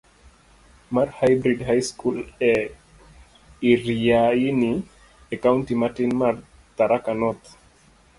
mar Hybrid High School e Iriaini, e kaunti matin mar Tharaka North.